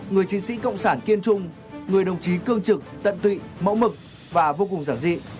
người chiến sĩ cộng sản kiên trung người đồng chí cương trực tận tụy mẫu mực và vô cùng giản dị